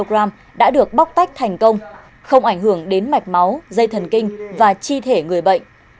một ba kg đã được bóc tách thành công không ảnh hưởng đến mạch máu dây thần kinh và chi thể người bệnh